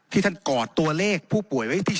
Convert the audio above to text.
ที่อากรตัวเลขผู้ผู้ป่วยไว้ที่๐